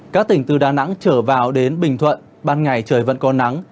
các tỉnh từ đà nẵng trở vào đến bình thuận ban ngày trời vẫn có nắng